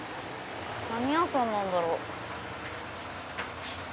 何屋さんなんだろう？